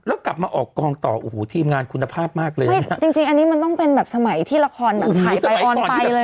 แล้วกลับมาออกกองต่อโอ้โหทีมงานคุณภาพมากเลยนะจริงจริงอันนี้มันต้องเป็นแบบสมัยที่ละครแบบถ่ายไซออนไปเลย